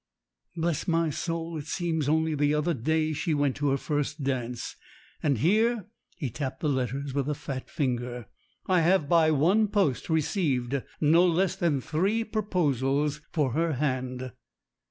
"Bless my soul, it seems only the other day she went to her first dance. And here" he tapped the letters with a fat finger "I have by one post received no less than three proposals for her hand."